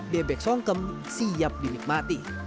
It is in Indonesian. bebek songkem siap dimikmati